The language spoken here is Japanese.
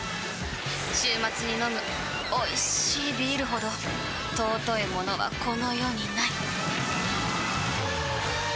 週末に飲むおいしいビールほど尊いものはこの世にない！